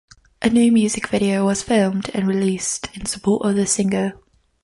A new music video was filmed and released in support of the single.